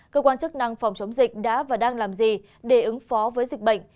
cơ quan chức năng phòng chống dịch đã và đang làm gì để ứng phó với dịch bệnh